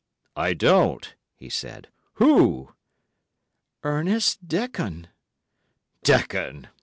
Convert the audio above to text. "I don't," he said. "Who?" "Ernest Dekon!" "Dekon!"